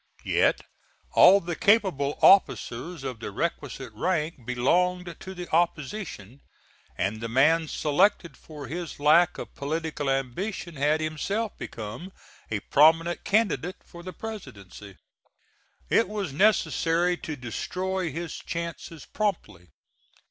Yet all the capable officers of the requisite rank belonged to the opposition, and the man selected for his lack of political ambition had himself become a prominent candidate for the Presidency. It was necessary to destroy his chances promptly.